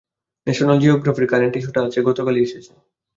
National জিওগ্রাফির current ইস্যুটা আছে, গতকালই এসেছে।